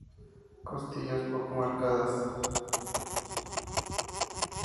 Costillas poco marcadas.